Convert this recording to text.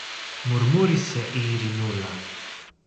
μουρμούρισε η Ειρηνούλα.